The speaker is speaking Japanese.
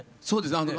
そうですね